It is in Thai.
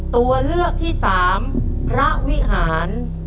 ตัวเลือกที่สามพระวิหาร